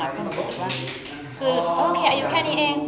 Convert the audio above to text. เพราะหนูรู้สึกว่าคือโอเคอายุแค่นี้เอง